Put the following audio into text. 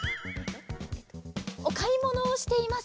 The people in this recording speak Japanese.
おかいものをしています。